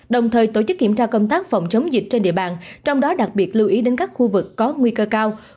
đồng thời tổ chức kiểm tra công tác phòng chống dịch trên địa bàn trong đó đặc biệt lưu ý đến các khu vực có nguy cơ cao